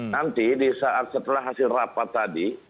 nanti di saat setelah hasil rapat tadi